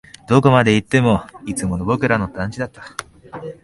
どこまで行っても、いつもの僕らの団地だった